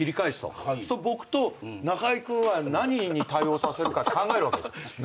すると僕と中居君は何に対応させるか考えるわけ。